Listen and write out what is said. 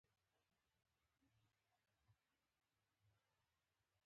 استثمارګر ته په پښتو کې زبېښاکګر وايي.